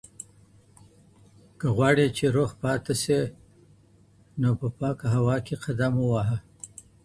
که غواړې چې روغ پاتې شې نو په پاکه هوا کې قدم ووهه.